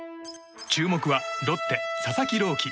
注目はロッテ、佐々木朗希。